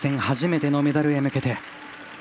初めてのメダルへ向けて。